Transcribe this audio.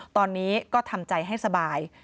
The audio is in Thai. ตอนนี้ก็ทำใจให้สบาย